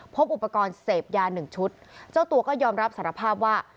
พบอุปกรณ์เสพยาหนึ่งชุดเจ้าตัวก็ยอมรับสารภาพว่า